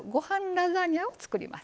ラザニアを作ります。